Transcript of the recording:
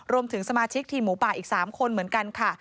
รวมถึงสมาชิกทีมหมูป่าอีก๓คนเหมือนกันค่ะ